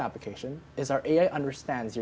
aplikasi kedua adalah ai kami